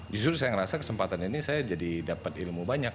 justru saya ngerasa kesempatan ini saya jadi dapat ilmu banyak